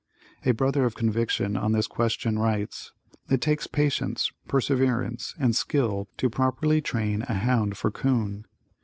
A brother of conviction on this question writes: It takes patience, perseverance and skill to properly train a hound for 'coon.